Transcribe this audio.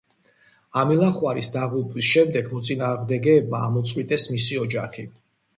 ამილახვარის დაღუპვის შემდეგ მოწინააღმდეგებმა ამოწყვიტეს მისი ოჯახი.